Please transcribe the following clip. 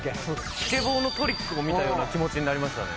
スケボーのトリックを見たような気持ちになりましたね。